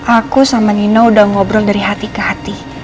aku sama nino udah ngobrol dari hati ke hati